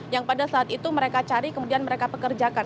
yang pada saat itu mereka cari kemudian mereka pekerjakan